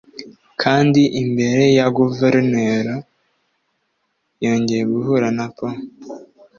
kandi imbere ya Governol yongeye guhura na Po